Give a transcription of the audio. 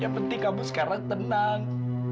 yang penting kamu sekarang tenang